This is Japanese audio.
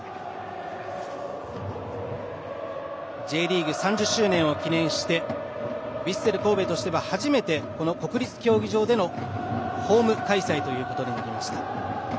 Ｊリーグ３０周年を記念してヴィッセル神戸としては初めて国立競技場でのホーム開催ということになりました。